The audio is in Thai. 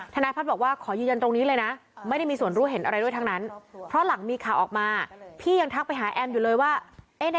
ธนายภัทรบอกว่าขอยืนยันตรงนี้เลยนะ